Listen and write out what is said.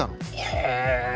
へえ。